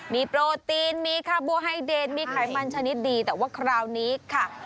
มีโปรตีนมีคาโบไฮเดนมีไขมันชนิดดีแต่ว่าคราวนี้ค่ะ